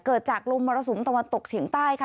เกิดจากลมมรสุมตะวันตกเฉียงใต้ค่ะ